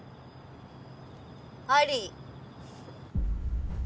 あり！